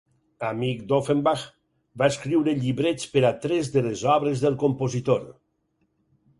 Amic d'Offenbach, va escriure llibrets per a tres de les obres del compositor.